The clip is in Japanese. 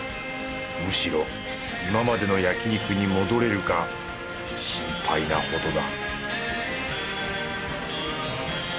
むしろ今までの焼き肉に戻れるか心配なほどだ